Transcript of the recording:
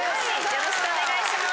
よろしくお願いします。